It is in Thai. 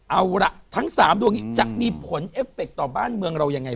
เอาล่ะทั้ง๓ดวงนี้จะมีผลเอฟเฟคต่อบ้านเมืองเรายังไง